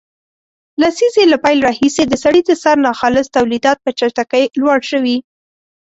لسیزې له پیل راهیسې د سړي د سر ناخالص تولیدات په چټکۍ لوړ شوي